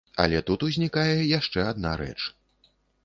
Але тут узнікае яшчэ адна рэч.